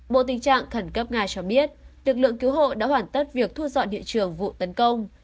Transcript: bộ tình trạng khẩn cấp nga cho biết lực lượng cứu hộ đã hoàn tất việc thu dọn hiện trường vụ tấn công